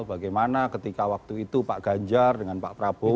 bagaimana ketika waktu itu pak ganjar dengan pak prabowo